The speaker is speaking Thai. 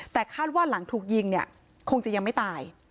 แต่คาดว่าหลังถูกยิงเนี่ยคงจะยังไม่ตาย